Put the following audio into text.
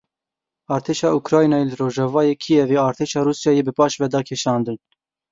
Artêşa Ukraynayê li rojavayê Kievê artêşa Rûsyayê bi paşve da kişandin.